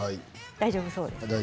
大丈夫そうです。